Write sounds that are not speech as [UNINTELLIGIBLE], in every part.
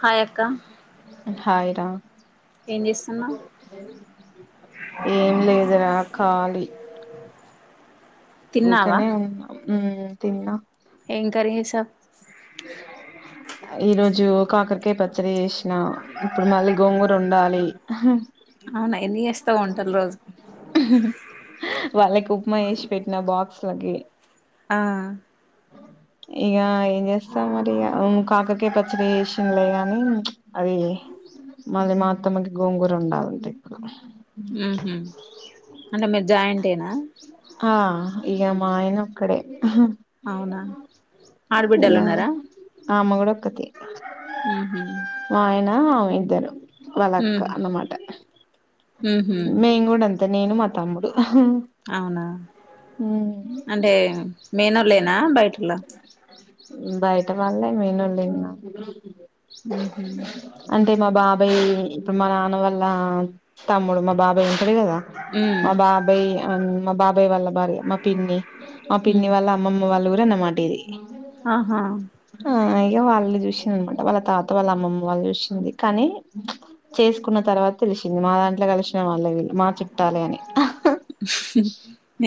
Hi అక్క. Hi రా. ఏం చేస్తున్నవు? ఏం లేదురా కాళీ. తిన్నావా ఊకనే ఉన్నా, ఊ తిన్నా. ఎం కర్రీ చేసావు? ఈ రోజు కాకరకాయ పచ్చడి చేశిన, ఇప్పుడు మళ్ళీ గోంగూర వండాలి. హ అవునా ఎన్ని చేస్తవు వంటలు రోజు. వాళ్ళకి ఉప్మా చేశి పెట్టిన బాక్స్ లకి ఆ ఇగ ఏం చేస్తాం మరి ఇగ కాకరకాయ ప చ్చడి చేశిన్లే గాని అది మళ్ళీ మా అత్తమ్మకి గోంగూర ఒండాలంట ఇప్పుడు. ఉహ్ అంటే మీరు జాయింటేనా ఆ ఇగ మా ఆయన ఒక్కడే. అవునా ఆడబిడ్డలు యా ఉన్నారా ఆమె కూడా ఒక్కతి. హుహు మా ఆయన ఇద్దరు వాళ్ళక్క ఉహు అన్నమాట ఉహు మేం కూడా అంతే నేను మా తమ్ముడు అవునా అంటే మేనోల్లేనా బయటోల్లా బయట వాళ్లే మేనోళ్లె నా హ్మ్ హు అంటే మా బాబాయ్ ఇప్పుడు మా నాన్న వాళ్ళ తమ్ముడు మా బాబాయ్ ఉంటాడు కదా. ఉ మా బాబాయ్ మా బాబాయ్ వాళ్ళ భార్య, మా పిన్ని మా ఉ పిన్ని వాళ్ళ. అమ్మమ్మ వాళ్ళ ఊరు అన్న మాట ఇది ఆహా ఇగ వాళ్ళు చూసింది అన్న మాట, వాళ్ళ తాత వాళ్ళ అమ్మమ్మ వాళ్ళు చూసింది కానీ. చేసుకున్న తర్వాత తెలిసింది. మా దాంట్లో కలిసిన వాళ్లే వీళ్ళు మా చుట్టాలే అని.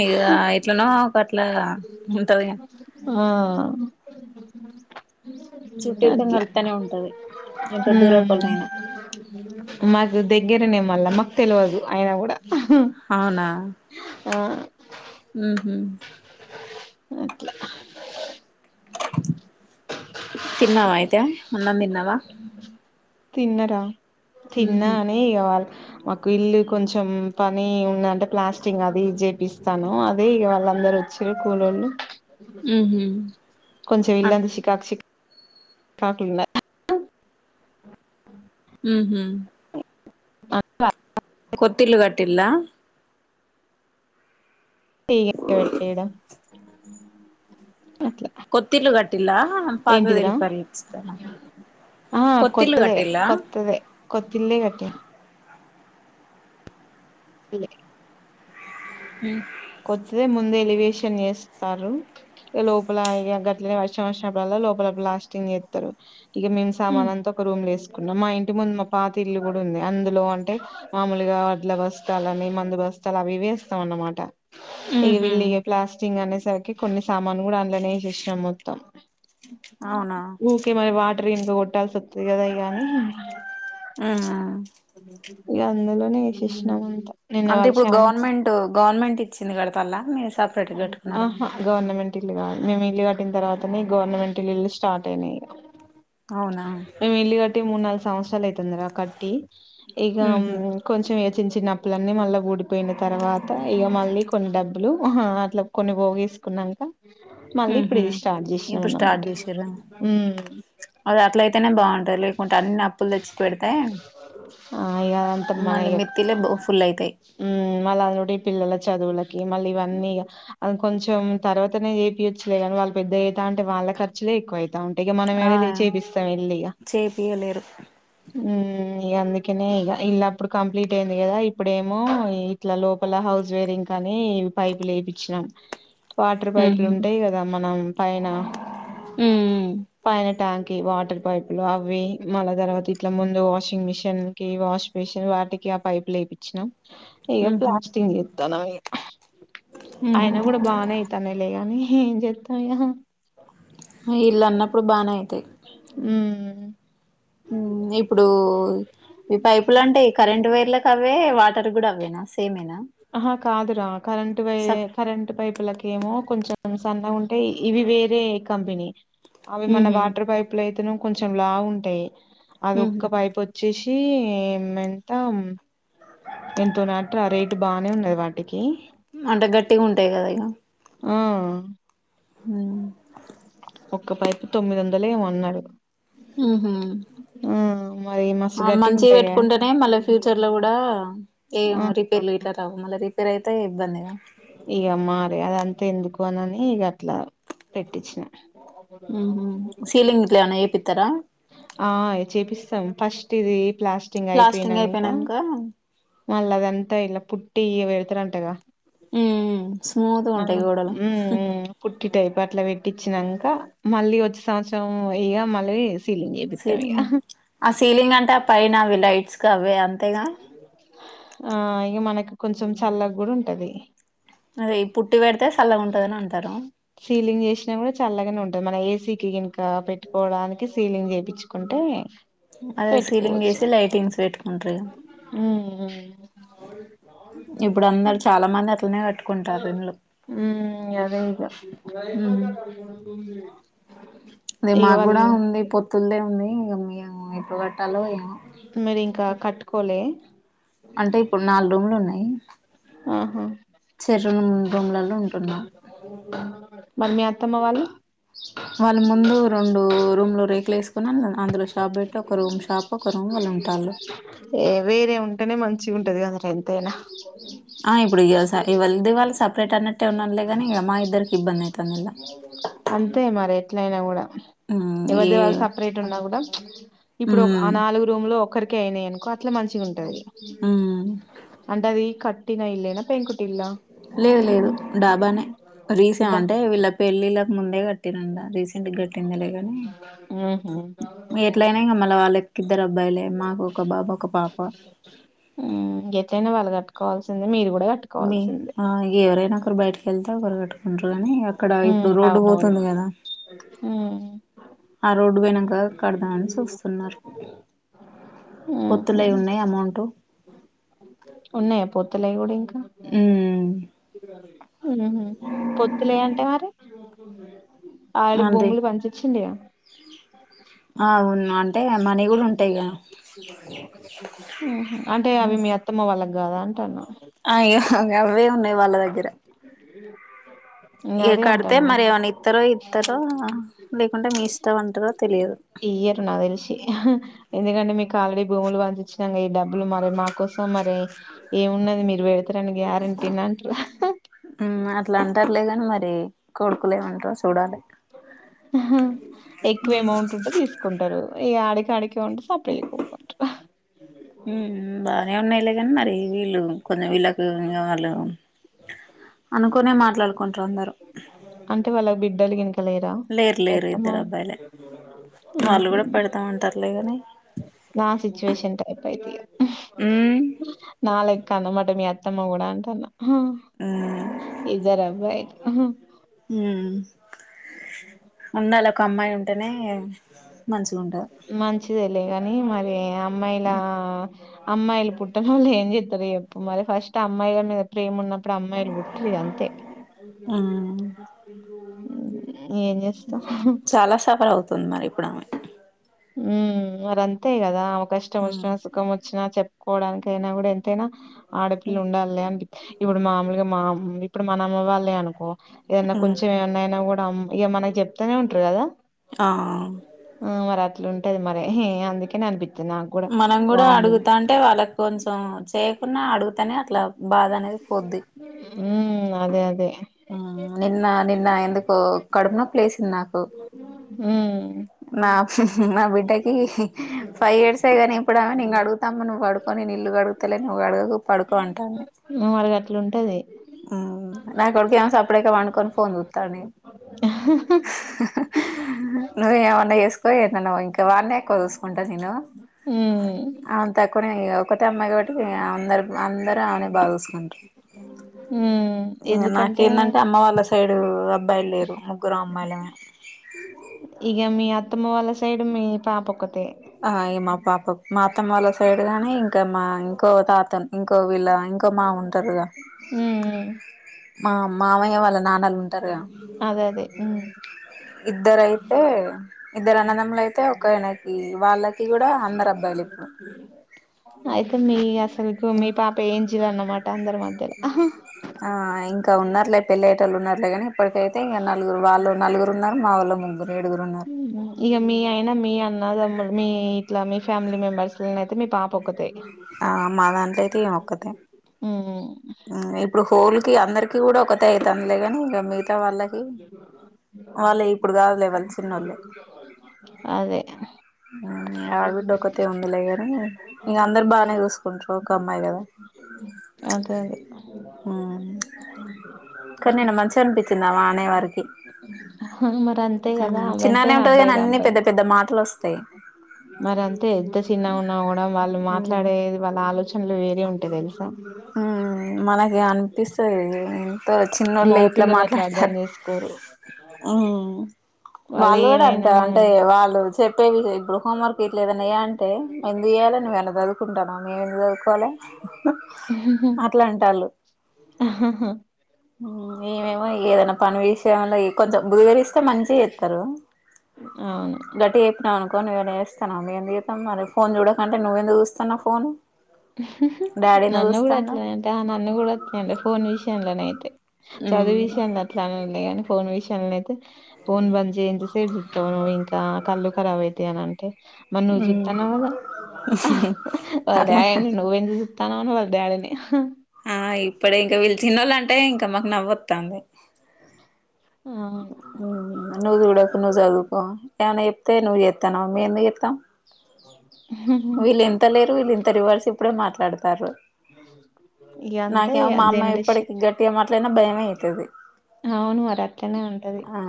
ఇగ ఎట్లనో ఒక అట్లా ఉంటది గా హూ చుట్టూరికం అట్లా కలుత్తనే ఉంటది ఎంత హూ దూరపోల్లయినా మాకు దగ్గరనే మళ్ళా మాకు తెలవదు అయినా కూడా అవునా ఆ హు హ్మ్ ఎట్ల తిన్నావా అయితే అన్నం తిన్నావా తిన్నరా తిన్నా అని ఇగ వాల్ మాకు ఇల్లు కొంచెం పని ఉందంటే, ప్లాస్టింగ్ అది చేపిస్తాను అది వాళ్ళందరూ. చ్చిరి కూలోళ్ళు ఉహు తాటున్న్ లే హు హ్మ్ అక్క కొత్తిల్లు కట్టిల్లా ఇట్ట పెట్టయడం కొత్తిల్లు కట్టిల్లా పాతదే రిపేర్ చేపిత్తర ఆ కొత్తదే కొత్తదే కొత్తిల్లే కట్టిల్ ఇగ హ్మ్ కొత్తదే ముందు ఎలివేషన్ చేస్తారు లోపల ఇగ గట్లనే వర్షం అప్పుడల్లా లోపల ప్లాస్టింగ్ చేస్తారు ఇగ మేమ్స్ సామానంత ఒక రూమ్ లో వేసుకున్నాం. మా ఇంటి ముందు మా పాత ఇల్లు కూడా ఉంది అందులో అంటే. మామూలుగా వడ్ల బస్తాలని, మందు బస్తాల అవి ఇవి. వేస్తాం అన్నమాట ఇగ ఉహు విల్ ఇగ ప్లాస్ స్టింగ్ అనేసరికి కొన్ని సామాను కూడా అందులోనే వేసేసినాం మొత్తం అవునా ఊకే మరి వాటర్ ఇనుక కొట్టాల్సి వస్తది ఇగ అని ఆ ఇగ అందులోనే ఏసేసినా అంటా అంటే ఇప్పుడు గవర్నమెంట్, గవర్నమెంట్ ఇచ్చింది కడతల్లా మీ. అ గవర్నమెంట్ ఇల్లు కాదు, మేము ఇల్లు కట్టి తర్వాతనే గవర్నమెంట్ ఇల్లులు స్టార్ట్ అయినాయి. అవునా మేము ఇల్లు కట్టి మూడు నాలుగు సంవత్సరాలు అయితాందిరా కట్టి ఇక ఉహు కొంచెం వేచించిన అప్పులన్నీ మళ్ళీ ఊడిపోయిన తర్వాత ఇక మళ్ళీ కొన్ని డబ్బులు ఆహ అట్లా కొన్ని పొగేసి కున్నాంక మళ్ళీ ఇప్పుడు ఉహు ఇది స్టార్ట్ చేసినాం ఇప్పుడు స్టార్ట్ అన్నమాట చేసిర్రా అది అట్లా అయితేనే బాగుంటాది లేకుంటే అన్ని అప్పులు తెచ్చి పెడితే ఆ ఇక మళ్ళీ మెత్తిలే ఫుల్ అయితాయి మ్మ్ మళ్ళా అ నుడి పిల్లల చదువులకి మళ్ళీ ఇవన్నీ ఇగ అది కొంచెం తర్వాతనే చెపియచ్చు కాద వాళ్ళు పెద్ద అయితాంటే వాళ్ళ ఖర్చులే ఎక్కువ అయితాంట ఇగ మనం యాడ ఆ చేపిస్తాం వెళ్ళి ఇగ చేపియలేరు మ్మ్ ఇక అందుకనే ఇక ఇల్లు అప్పుడు కంప్లీట్ అయింది కదా ఇప్పుడేమో ఇట్లా లోపల హౌస్ వేరింగ్ కానీ పైపులు యేపిచ్చినాం వాటర్ పైపులు ఉంటాయి కదా మనం పైన పైన ట్యాంక్ వాటర్ పైపులు అవి మళ్ళా తర్వాత ఇట్ల ముందు వాషింగ్ మిషిన్ కి వాష్ మిషన్ వాటికి ఆ పైపులు లేపిచ్చినాం ఇగ ఉహు ప్లాస్టింగ్ చేత్తాన్నం ఇగ అయన కూడా బానే అయితాన్నాయి లేగాని ఏం చేత్తాం ఇగ ఇల్లు అన్నప్పుడు బానే అయితాయి మ్మ్ మ్మ్ ఇప్పుడు ఈ పైపులు అంటే కరెంట్ వైర్లకు అవ్వె వాటర్ కూడా అవ్వెనా సేమేనా ఆహ కాదురా కరెంట్ వై సప్ కరెంట్ పైప్ లకి ఏమో కొంచెం సన్నగా ఉంటే ఇవి వేరే కంపెనీ అవి మన ఉహు వాటర్ పైప్ అయితే నేమో కొంచెం లావ్ ఉంటాయి అది ఉహు ఒక్క పైప్ వ వచ్చేసి ఎంత ఎంతో నాట్రా ఆ రేట్ బాగానే ఉన్నది వాటికి అంటే గట్టిగా ఉంటాయి కదా ఇక మ్మ్ హ్మ్ ఒక్క పైపు తొమ్మిది వందలు ఏమో అన్నాడు ఉహు మ్మ్ మరి మస్తు గట్టిగా మంచివి ఉంటాయి గా పెట్టుకుంటేనే మళ్ళీ ఫ్యూచర్ లో కూడా ఏం ఆ రిపేర్లు ఇట్లా రావ్ మళ్ళా రిపేర్ అయితే ఇబ్బంది గా ఇక మారే గదా అంతా ఎందుకు అని ఇక అట్లా పెట్టించినా సీలింగ్ ఇట్లా ఏమన్నా యేపిత్తారా ఆ చేపిస్తాం ఫస్ట్ ఇది ప్లాస్టింగ్ అయిపోయినాంక మళ్ళా అదంతా ఇలా పుట్టి ఇడ పెడతారంటాగ హ్మ్ స్మూత్గా మ్మ్ ఉంటాయి గోడలు హ్మ్ పుట్టి టైప్ అట్లా పెట్టించినాక మళ్ళీ వచ్చే సంవత్సరం ఇగ మళ్ళీ సీలింగ్ చె సీలింగ్ ఆ సీలింగ్ అంటే ఆ పైన అవి లైట్స్ కీ కవ్వె అవ్వె అంతేనా ఆ ఇక మనకి కొంచెం చల్లగా కూడా ఉంటది అదే ఈ పుట్టి పెడితే చల్లగా ఉంటదని అంటారు సీలింగ్ చేసినా కూడా చల్లగానే ఉంటది మన ఏసీకి గినుక పెట్టుకోవడానికి సీలింగ్ చేపిచ్చు కుంటే అదే సీలింగ్ చేసి లైటింగ్స్ పెట్టుకుంటారు ఇక మ్మ్ అవును ఇప్పుడు అందరు చాలామంది అదే ఇగా హ్మ్ అ అదే మాకు కూడా ఉంది పొత్తులదే ఉంది ఇక మేము ఎప్పుడు కట్టాలో ఏమో మరి ఇంకా కట్టుకోలే అంటే ఇప్పుడు నాలుగు రూమ్లు ఉన్నాయి ఆహా! చేరండు రూమ్లలో ఉంటున్నాం మరి మీ అత్తమ్మ వాళ్ళు వాళ్ళ ముందు రెండు రూమ్ లో రేకులు వేసుకున్నా అందులో షాప్ పెట్టి ఒక రూమ్ షాప్ ఒక్క రూమ్ వాళ్ళు ఉంటాలు ఏ వేరే ఉంటేనే మంచి ఉంటది కదర ఎంతైనా ఆ ఇప్పుడు ఇగా స వాళ్లిద్దరూ వాళ్ళు సపరేట్ అన్నట్టే ఉన్నారులేగాని ఇక మా ఇద్దరికి ఇబ్బంది అయితుంది అంతే మరి ఎట్లయినా కూడా మ్మ్ ఏ ఎవరిది వాళ్ళు సపరేట్ ఉన్నా కూడం ఇప్పుడు మ్మ్ ఆ నాలుగు రూమ్ లో ఒక్కరికి అయినాయి అనుకో అట్లా మంచిగా ఉంటది మ్మ్ అంటే అది కట్టిన ఇల్లేనా పె లేదు లేదు డాబనే రీసా దా అంటే వీళ్ళ పెళ్ళిళ్ళలకు ముందే కట్టిరాంట రీసెంట్ గట్టిందలేగాని ఉహు ఎట్లయినా ఇంగ మల్ల వాళ్ళకు ఇద్దరు అబ్బాయిలే మాకు ఒక బాబు ఒక పాప గేట్లైన వాళ్ళు కట్టుకోవాల్సిందే మీరు కూడా కట్టు మీ ఎవరైనా ఒకరు బయటకి వెళ్తే ఒకరు కట్టుకుంటారు కాని అక్కడ ఉమ్ ఇప్పుడు రోడ్డు అవునవును పోతుంది కదా ఉమ్ ఆ రోడ్డు వేయినంక కడదామని చూస్తున్నారు ఉహు పొత్తుల ఉన్నాయి అమౌంట్ ఉన్నాయా పొత్తులయి కూడా ఇంకా ఉ స అ పొత్తులే అంటే మరి ఆడి అంతే భూములు పంచిచ్చిండుగా అవును అంటే మనీ కూడా ఉంటాయి కదా అంటే అవి మీ అత్తమ్మ వాళ్ళకి కాదా అంటాన అయ్యో గవే ఉన్నాయి వాళ్ళ దగ్గర ఇంగ ఇగ అదే కడితే మరి అంటాన్న ఏమన ఇత్తరో ఇత్తారో లేకుంటే మీ ఇష్టం అంటారో తెలియదు ఇయర్ నాకు తెలిసి ఎందుకంటే మీకు ఆల్రెడీ భూములు పంచిచ్చినక ఈ డబ్బులు మరి మా కోసం మరి ఏమున్నది మీరు వెడతారని గ్యారంటీని అంటారు అట్లా అంటారులేగాని మరి కొడుకులేమంటారు చూడాలే ఎక్కువ అమౌంట్ ఉంటే తీసుకుంటారు ఈ ఆడికి ఆడికే ఉంటే సపడేక ఉకున్ బానే ఉన్నాయిలేగాని మరి వీళ్ళు కొంచెం వీళ్ళకి ఇం వాళ్ళు అనుకునే మాట్లాడుకుంటారు అందరు అంటే వాళ్ళకి బిడ్డలు గినకలేరా మీ లేరు అత్తమ్మ ఇద్దరు అబ్బాయిలే వాళ్ళు కూడా పెడతామంటారులే గానీ నా సిచువేషన్ టైప్ అయితే ఇగ ఉమ్ నా లెక్క అన్న మట మి అత్తమ్మ కూడా అంటాన్న ఆ ఇదారాబ్బాయిలు మ్ ఉండాల ఒక అమ్మాయి ఉంటేనే మంచిగ ఉంటది. మంచిదేలే కాని మరి అమ్మాయిలా అమ్మాయిలు పుట్టన వాళ్ ఏం చెత్తారు చెప్పు మరి ఫస్ట్ అమ్మాయిల మీద ప్రేమ ఉన్న అప్పుడు అమ్మాయిల్ పుట్టర్ ఇగ అంతే. ఉమ్ ఏం చేస్ చాల సఫర్ అవుతుంది మరి ఇప్పుడు ఆమె. మ్ మరి అంతే కదా! ఆమె కష్టం వచ్చినా, సుఖం వచ్చినా చెప్ కోవడానికయినా కూడా ఎంతైనా ఆడపిల్ల ఉండాలి. లేంటి ఇప్పుడు మామూలుగా మా ఇప్పుడు మన అమ్మవాళ్ళే అనుకో, ఏదన్నా కొంచెం ఏమన్నయినా కూడా, మ్ ఇక మనకి చెప్తానే ఉంటారు కదా! ఆ ఆ మ్ మరి అట్లుంటది మరి. అందుకనే అనిపిత్తది నాకు కూడా మనం కూడ వామ్మో అడుగుతాంటే వాళ్ళకి కొంచెం చేయకున్న అడుగ్ తనే అట్ల బాదనేది పోద్ది. ఉమ్ అదే అదే ఆ నిన్న నిన్న ఎందుకో కడుపునొప్పి లేసింది నాకు. మ్ నా నా బిడ్డకి ఫైవ్ ఇయర్స్ సేగానీ ఇప్పుడ్ ఆమె నేన్ కడుగుతానులే నువ్వు పడుకో నేను ఇల్లు కడుగుతాలే నువ్వు కడగపో మావోడు గట్లు ఉంటది మ్ నా కొడుకు ఏమో సప్పుడైతే పండుకొని ఫోన్ చూత్తాండే ఆ నువ్ ఏమన్న చేసుకో ఎటునన్న పో ఇంకా వాడినే ఎక్కువ చూసుకుంటా నేను. మ్ అవును తక్కువనే ఇగ ఒక్కతే అమ్మాయి కాబట్టి అందరు, అందరుూ ఆమెని బాగా చూసుకుంటరు. ఉమ్ ఇంగ ఎందుకంటే నాకేందంటే, అమ్మ వాళ్ళ సైడ్ అబ్బాయిలు లేరు, ముగ్గురం అమ్మాయిలమే. ఇగ మీ అత్తమ్మ వాళ్ళ సైడు మీ పాపోక్కతె. ఆ ఇగ మా పాప. మా అత్తమ్మ వాళ్ళ సైడ్ గాని ఇంకా మా ఇంకో తాతన్ ఇంకో వీళ్ళ ఇంకో మామ ఉంటారుగా, ఉమ్ ఉమ్ మా మామయ్య వాళ్ళ నాన్నలు ఉంటారు గా అదే అదే ఉమ్ ఇద్దరయితే, ఇద్దరు అన్నదమ్ములు అయితే, ఒక ఆయనకి వాళ్ళకి కూడా అందరు అబ్బాయిలు ఇప్పుడు అయితే మీ అసలుకు మీ పా పేంజిల్ అన్నమాట అందరి మధ్యలో ఆ ఇంకా ఉన్నారులే పెళ్లయ్యేటోళ్లు ఉన్నారులే కానీ, ఇప్పటికైతే ఇంక నలుగురు వాళ్ళు, నలుగురు ఉన్నారు మా వాళ్ళు ముగ్గురు ఏడుగురు ఉన్నారు. ఉమ్ ఇగ మీ అయినా మీ అన్న తమ్ముల్ మీ ఇట్లా మీ ఫ్యామిలీ మెంబర్స్ లోన అయితే మీ పాప ఒక్కతే ఆ మా దాంట్లో అయితే ఈమె ఒక్కతే. మ్ మ్ ఇప్పుడు హోల్ కి అందరికీ కూడా ఒకతే అయితాందిలే కానీ ఇంగ మిగతా వాళ్ళక్ కి వాళ్ళు ఇప్పుడు కాదులే వాల్ చిన్నోళ్ళు అదే మ్ ఆడబిడ్డ ఒకతే ఉందిలే అనీ ఇంగ అందరు బానే చూసుకుంటారు ఒక అమ్మాయి కదా. అదే అదే మ్ కానీ నిన్న మంచిగ అనిపిచ్చిందామా అనే వరికి మరి అంతే కదా మ్ చిన్నగనే ఎంతైనా ఉంటది కాని అబ్బాయిలే అన్ని అబ్బాయిలే పెద్ద పెద్ద మాటలు వొస్ మరి అంతే ఎంత చిన్నగ ఉన్నా కూడ వాళ్ళు మాట్లాడేది వాళ్ళ ఆలోచనలు వేరే ఉంటయి తెలుసా! ఊ మనకి అనిపిస్తుంది లే కదా చిన్నోళ్ళు మగ ఇట్లా పిల్లలు అట్లా అర్థం మాట్లాడతారు చేసుకోరు ఊ వాళ్ళు కూడా అంతే అంటే వాళ్ళు చెప్పే విషయం ఇప్పుడు హోంవర్క్ ఏట్ లేద ఇయ్యాలి [UNINTELLIGIBLE] నువు ఎన్ననా చదువుకుంటాను మేము ఎందు చదువుకోవాలి అట్ల అంటలు ఆహాహా ఊ ఈమేమో ఏదైనా పని విషయంలో కొంచెం బుధరకిస్తే మంచిగా చేస్తారు అవును గటిగ చెప్ నే అనుకోని వేరేస్తాను నువ్వెందుకు ఏస్తన్నావ్ గుతం మరి ఫోన్ చూడక అంటే నువ్వవుందు చూస్తున్నా ఫోన్ డాడీ ఎందుకు నన్ను కూడా చూస్తాండు ఎట్లనంటే ఆ నన్ను కూడా ఎట్లేంటే ఫోన్ విషయంలోనయితే చదువు విషయాంల అట్ల అనరు లే గాని ఫోన్ విషయాల అయితే ఫోన్ బంద్ చేయ్ ఎంత సేపు చూస్తావు నువ్ ఇంకా కళ్ళు కరాబ్ అవుతయ్ అని అంటే మరి నువ్వు ఊ చూస్తున్నావు కదా అట్ల నువ్ ఎందుకు చూస్తన్నావ్ అని వాళ్ళ డాడీ ని ఆ ఇప్పుడే ఇంకా వీళ్ళు చిన్నోళ్ళంటే ఇంకా మాకు నవ్వస్తుంది ఆవును నువ్వు చూడకు నువ్వు చదువుకో ఏమనా చెప్తే నువ్వు చేస్తానవ మేముందుకు చెస్తం అవు వీళ్ళు ఎంత లేరు వీళ్ళు ఇంత రివర్స్ ఇప్పుడే మాట్లాడతారు ఇ అంతె నాకేమో ఇగ మా అమ్మ జనరేషన్ ఇప్పటికి గట్టిగా మాట్లాడినా భయమే అయితది అవును మరి అట్లనే ఉంటది ఆ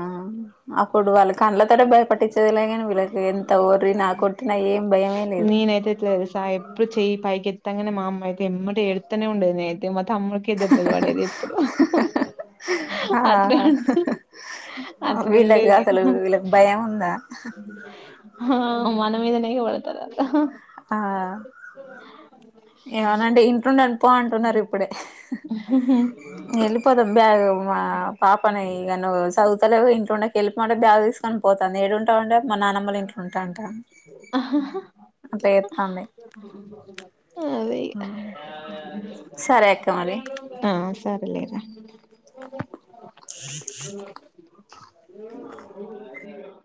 అప్పుడు వాళ్ళ కంళ్డ్లతోటె భయ పట్టించేదిలే గాని వీళ్ళకి ఎంత ఓర్రి నా కొట్టి నా ఏం భయమే లేదు ఈనీత్ ఎట్లా తెలుస్ గా ఎప్పుడు చేయి పైకి ఎతగానే మామ్మయితె ఎమ్మట ఎతనే ఉండేది నేన్ అతే మ తమ్ముడికే దెబ్బలు పడేది ఎప్పుడు ఆ పద్మని అడుగు వీళ్ళకి అట్లుండేది అసలు వీళ్ళకి భయం ఉందా ఆ మన మీదనేే ఎగబడతదట్ల ఆ ఏమనంటే ఇంట్లునది పో అంటున్నారు ఇప్పుడే వెళ్ళిపోతాం బ్యాగ్ మా పాపనే ఇగ నువు చదువుతలే ఇంట్ల ఉండక వెళ్ళిపో అంట బ్యాగ్ తీసు కొని పోతుంది ఏడుంటవంటే మా నానమ్మల ఇంట్ల ఉంట అట్లా చెపుతుంది అదే ఇగ సరే అక్క మరి ఆ సర్లేరా అ